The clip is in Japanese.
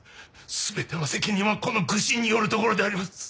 全ての責任はこの愚臣によるところであります。